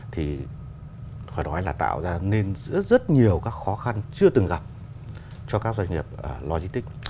thì phải nói là tạo ra nên rất nhiều các khó khăn chưa từng gặp cho các doanh nghiệp logistics